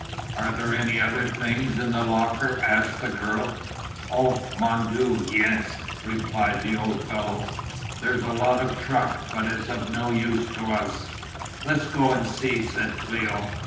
"Are there any other things in the locker?" asked the girl. "Oh, Mon Dieu, yes," replied the old fellow. "There's a lot of truck, but it's no use to us." "Let's go and see," said Cléo.